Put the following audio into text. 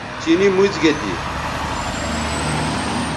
چینی موڅ گے تھی